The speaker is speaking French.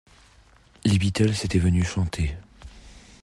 Les Beatles étaient venus chanter.